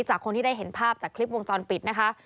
จากคนที่ได้เห็นภาพจากคลิปวงจรปิดนะคะ